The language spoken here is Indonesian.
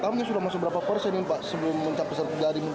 kamu sudah masuk berapa persen ini pak sebelum mencapai satu jaring